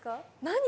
何？